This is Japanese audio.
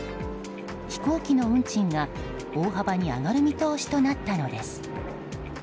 飛行機の運賃が大幅に上がる見通しとなったのです。